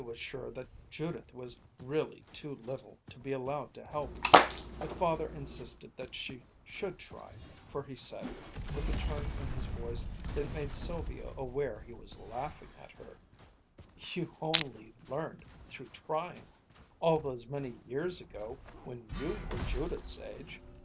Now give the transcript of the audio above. Sylvia was sure that Judith was really too little to be allowed to help, but Father insisted that she should try, for he said, with a turn in his voice that made Sylvia aware he was laughing at her, "You only learned through trying, all those many years ago when you were Judith's age!"